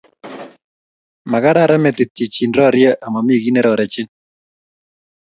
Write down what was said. Magararan metit chichin rorye amami guy nerorechini